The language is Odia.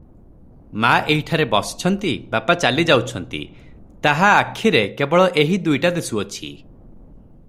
ମା’ ଏହିଠାରେ ବସିଛନ୍ତି, ବାପା ଚାଲି ଯାଉଛନ୍ତି, ତାହା ଆଖିରେ କେବଳ ଏହି ଦୁଇଟା ଦିଶୁଅଛି ।